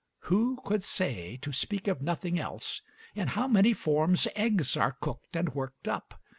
Who could say, to speak of nothing else, in how many forms eggs are cooked and worked up?